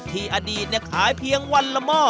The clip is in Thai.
ที่อดีตเนี่ยขายเพียงวันละหม่อ